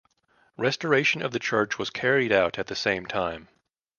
Restoration of the church was carried out at the same time.